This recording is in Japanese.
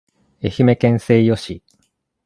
愛媛県西予市